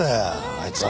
あいつは。